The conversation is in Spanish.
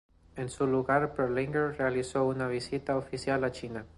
En su lugar Berlinguer realizó una visita oficial a China.